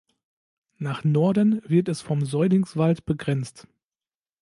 Nach Norden wird es vom Seulingswald begrenzt.